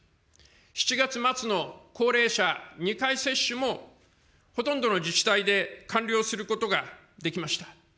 ７月末の高齢者２回接種も、ほとんどの自治体で完了することができました。